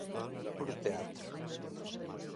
Puro teatro!